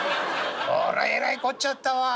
こらえらいこっちゃったわ。